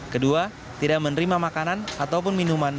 kedua tidak menerima makanan ataupun minuman